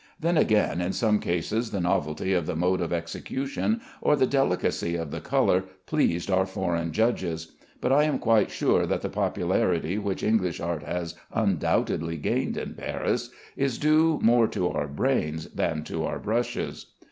Then, again, in some cases, the novelty of the mode of execution, or the delicacy of the color, pleased our foreign judges; but I am quite sure that the popularity which English art has undoubtedly gained in Paris is due more to our brains than to our brushes.